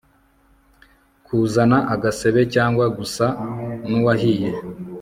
kuzana agasebe cg gusa n uwahiye